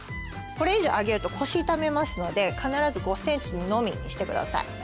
これ以上上げると腰痛めますので必ず５ｃｍのみにしてください。